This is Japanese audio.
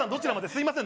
すいません